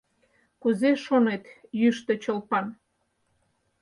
Кузе шонет, йӱштӧ Чолпан?